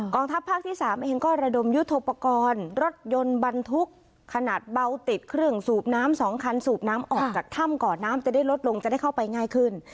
ทัพภาคที่๓เองก็ระดมยุทธโปรกรณ์รถยนต์บรรทุกขนาดเบาติดเครื่องสูบน้ำ๒คันสูบน้ำออกจากถ้ำก่อนน้ำจะได้ลดลงจะได้เข้าไปง่ายขึ้น